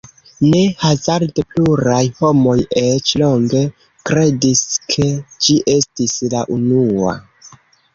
Ne hazarde pluraj homoj eĉ longe kredis, ke ĝi estis la unua.